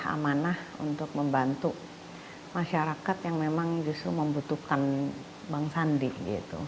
amanah untuk membantu masyarakat yang memang justru membutuhkan bang sandi gitu